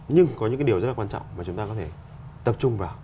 nhưng có những cái điều rất là quan trọng mà chúng ta có thể tập trung vào